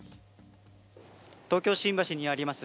東京・新橋にあります